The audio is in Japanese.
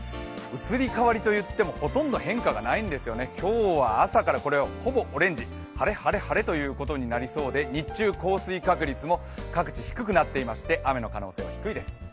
移り変わりと言ってもほとんど変化がないんですよね今日は朝からほぼオレンジ晴れ、晴れ、晴れということになりそうで日中、降水確率も各地、低くなっていまして雨の可能性、低いです。